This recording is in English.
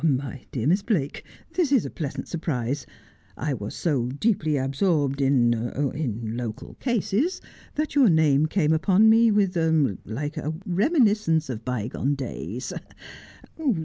' Hum — haw — my dear Miss Blake, this is a pleasant surprise. I was so deeply absorbed in — aw — local cases that your name came upon me with —■ er — like — er — a reminiscence of by gone days.